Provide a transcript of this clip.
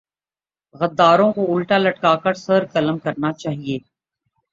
غداروں کو الٹا لٹکا کر سر قلم کرنا چاہیۓ